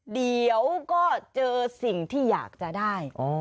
เดี๋ยวก็เจอสิ่งที่อยากจะได้